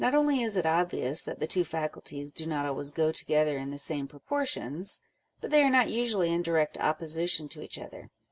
369 obvious that the two faculties do not always go together in the same proportions : but they are not usually in direct opposition to each other.